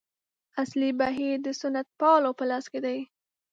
اصلي بهیر د سنتپالو په لاس کې دی.